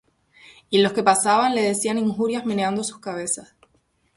Y los que pasaban, le decían injurias, meneando sus cabezas,